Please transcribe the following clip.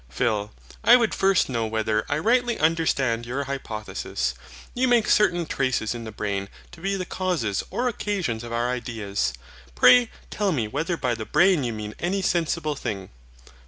PHIL. I would first know whether I rightly understand your hypothesis. You make certain traces in the brain to be the causes or occasions of our ideas. Pray tell me whether by the BRAIN you mean any sensible thing.